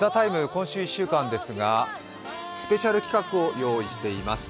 今週１週間ですが、スペシャル企画を用意しています。